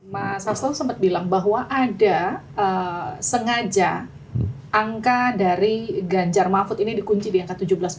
mas sasto sempat bilang bahwa ada sengaja angka dari ganjar mahfud ini dikunci di angka tujuh belas empat puluh